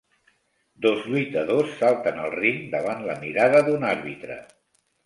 Dos lluitadors salten al ring davant la mirada d'un àrbitre.